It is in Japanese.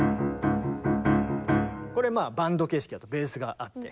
これバンド形式だとベースがあって。